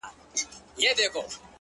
چي له بې ميني ژونده ـ